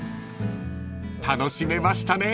［楽しめましたね］